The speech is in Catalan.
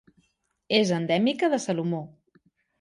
És endèmica de Salomó.